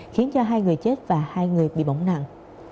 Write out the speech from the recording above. khiến cho hai người chết và hai người bị bỏng nặng